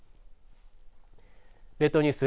列島ニュース